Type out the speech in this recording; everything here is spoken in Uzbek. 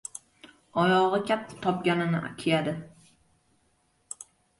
Oyog‘i katta topganini kiyadi.